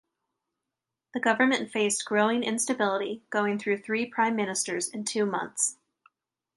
The government faced growing instability, going through three prime ministers in two months.